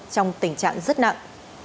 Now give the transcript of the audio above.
trong tình trạng rất nặng